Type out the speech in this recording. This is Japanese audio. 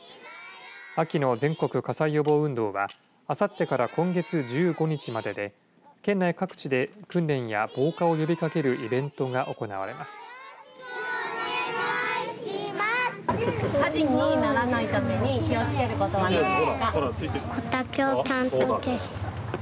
秋の全国火災予防運動はあさってから今月１５日までで県内各地で訓練や防火を呼びかけるイベントが行われます。